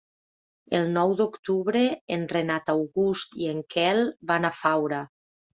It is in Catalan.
El nou d'octubre en Renat August i en Quel van a Faura.